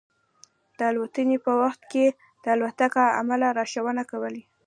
د الوتنې په وخت کې د الوتکې عمله لارښوونه کوي.